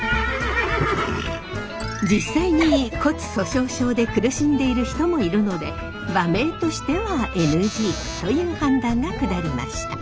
実際に骨粗しょう症で苦しんでいる人もいるので馬名としてはＮＧという判断が下りました。